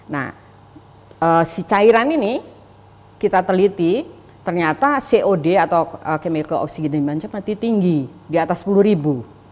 nah si cairan ini kita teliti ternyata cod atau kemiriko oksigen mati tinggi di atas sepuluh ribu